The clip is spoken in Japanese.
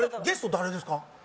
ゲスト誰ですか？